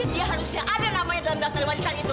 dia harusnya ada namanya dalam daftar warisan itu